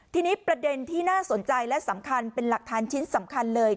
ทีนี้ประเด็นที่น่าสนใจและสำคัญเป็นหลักฐานชิ้นสำคัญเลย